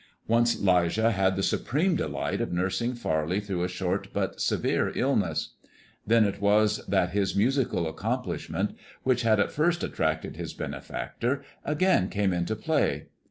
Once 'Lijah had the supreme delight of nursing Farley through a short but severe illness. Then it was that his musical accomplishments, which had at first attracted his benefactor, again came into play.